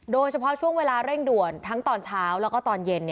โดยเฉพาะช่วงเวลาเร่งด่วนทั้งตอนเช้าแล้วก็ตอนเย็น